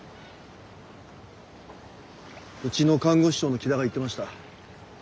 うちの看護師長の木田が言ってました。